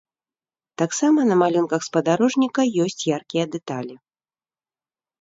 Таксама на малюнках спадарожніка ёсць яркія дэталі.